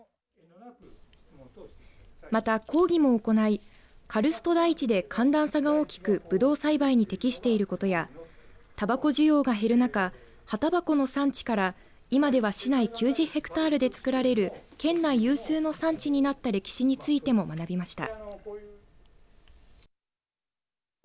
また、講義も行いカルスト台地で寒暖差が大きくぶどう栽培に適していることやたばこ需要が減る中葉たばこの産地から今では市内９０ヘクタールで作られる県内有数の産地になった歴史についても学びました。